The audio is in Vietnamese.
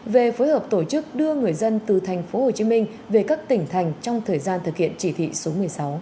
về phối hợp tổ chức đưa người dân từ tp hcm về các tỉnh thành trong thời gian thực hiện chỉ thị số một mươi sáu